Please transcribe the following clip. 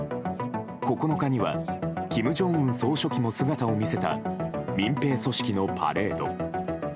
９日には金正恩総書記も姿を見せた民兵組織のパレード。